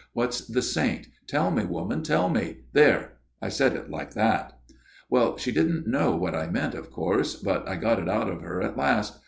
' What's the saint ? Tell me, woman, tell me !' There ! I said it like that. "Well, she didn't know what I meant, of course, but I got it out of her at last.